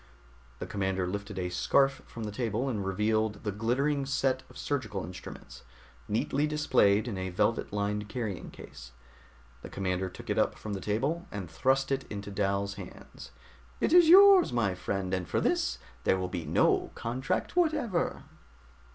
The commander lifted a scarf from the table and revealed the glittering set of surgical instruments, neatly displayed in a velvet lined carrying case. The commander took it up from the table and thrust it into Dal's hands. "It is yours, my friend. And for this, there will be no contract whatever."